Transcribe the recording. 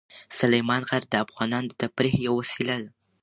سلیمان غر د افغانانو د تفریح یوه وسیله ده.